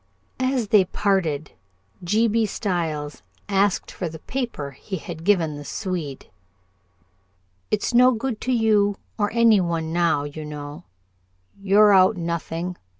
As they parted, G. B. Stiles asked for the paper he had given the Swede. "It's no good to you or any one now, you know. You're out nothing.